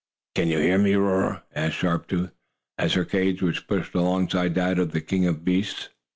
"Can you hear me, Roarer?" asked Sharp Tooth, as her cage was pushed alongside that of the King of Beasts.